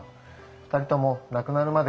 ２人とも亡くなるまで